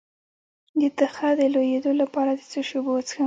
د تخه د لوییدو لپاره د څه شي اوبه وڅښم؟